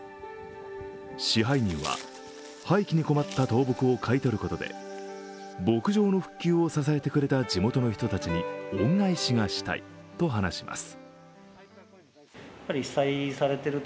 支配人は、廃棄に困った倒木を買い取ることで牧場の復旧を支えてくれた地元の人たちに恩返しがしたいと話します。